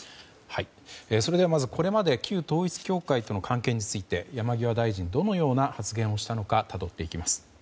それではまず、これまで旧統一教会との関係について山際大臣はどのような発言をしたのかたどっていきます。